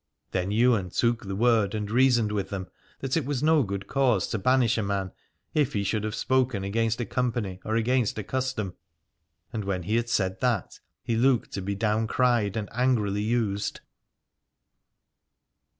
Then Ywain took the word and reasoned with them, that it was no good cause to banish a man, if he should have spoken against a company or against a custom. And when he had said that, he looked to be down cried and angrily used.